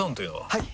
はい！